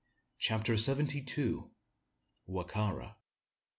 CHAPTER SEVENTY TWO. WA KA RA.